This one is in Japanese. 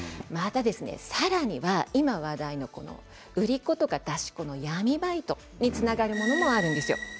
さらには今話題の受け子とか出し子の闇バイトにつながるものもあるんです。